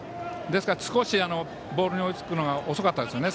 ですから少しボールに追いつくのが遅かったですね。